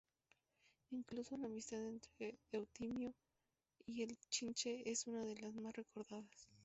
Incluso, la amistad entre Eutimio y el Chinche es una de las más recordadas.